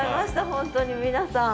本当に皆さん。